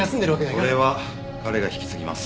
それは彼が引き継ぎます。